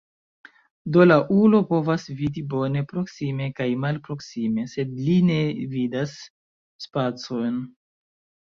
Do la ulo povas vidi bone proksime kaj malproksime, sed li ne vidas spacon.